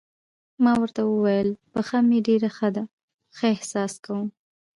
ما ورته وویل: پښه مې ډېره ښه ده، ښه احساس کوم.